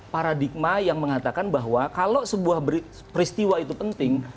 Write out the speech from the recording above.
paradigma yang mengatakan bahwa kalau sebuah peristiwa itu penting